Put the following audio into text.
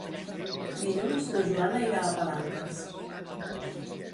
Dilluns na Joana irà a Palanques.